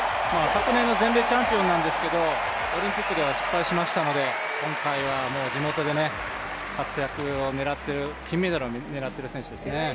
昨年の全米チャンピオンですけど、オリンピックでは失敗しましたので今回は地元で活躍を狙ってる、金メダルを狙っている選手ですね。